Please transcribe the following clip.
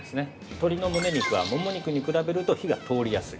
鶏のむね肉はもも肉に比べると火が通りやすい。